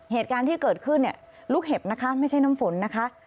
เหตุการณ์ที่เกิดขึ้นเนี่ยลูกเห็บนะคะไม่ใช่น้ำฝนนะคะ